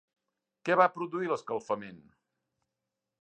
Què va produir l'escalfament?